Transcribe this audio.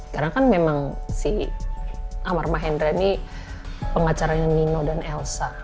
karena kan memang si amar mahendra ini pengacaranya nino dan elsa